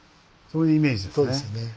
そういうイメージですね。